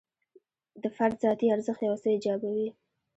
د فرد ذاتي ارزښت یو څه ایجابوي.